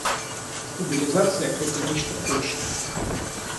Стабилизация — это нечто большее.